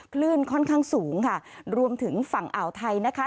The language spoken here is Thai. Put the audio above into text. คลื่นค่อนข้างสูงค่ะรวมถึงฝั่งอ่าวไทยนะคะ